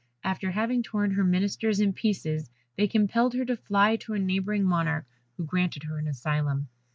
After having torn her ministers in pieces, they compelled her to fly to a neighbouring Monarch, who granted her an asylum.